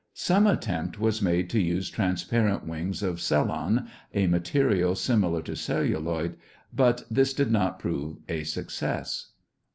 Some attempt was made to use transparent wings of cellon, a material similar to celluloid, but this did not prove a success.